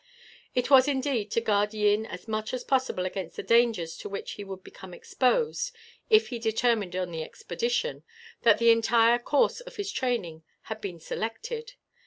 It was, indeed, to guard Yin as much as possible against the dangers to which he would become exposed, if he determined on the expedition, that the entire course of his training had been selected.